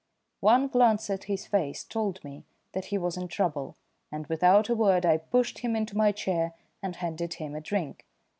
One glance at his face told me that he was in trouble, and without a word I pushed him into my chair and handed him a drink.